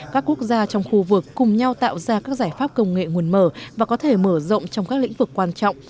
các quốc gia trong khu vực cùng nhau tạo ra các giải pháp công nghệ nguồn mở và có thể mở rộng trong các lĩnh vực quan trọng